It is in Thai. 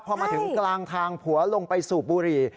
พอมาถึงกลางทางผัวลงไปสูบบุหรี่